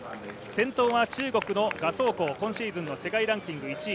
先頭が中国の賀相紅今シーズンの世界ランキング１位。